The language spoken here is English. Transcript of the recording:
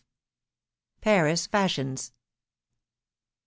PARIS FASHIONS.